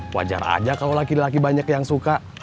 wajar aja kalau laki laki banyak yang suka